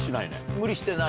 無理してない？